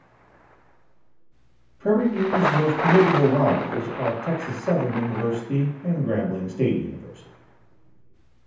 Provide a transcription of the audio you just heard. Prairie View's most notable rivals are Texas Southern University and Grambling State University.